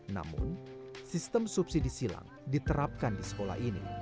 namun sistem subsidi silang diterapkan di sekolah ini